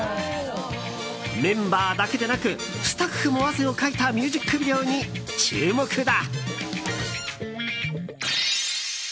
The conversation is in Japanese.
メンバーだけでなくスタッフも汗をかいたミュージックビデオに注目だ。